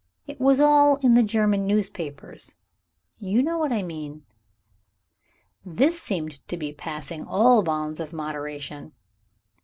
It was all in the German newspapers you know what I mean." This seemed to me to be passing all bounds of moderation.